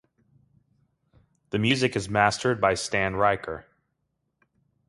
The music is mastered by Stan Ricker.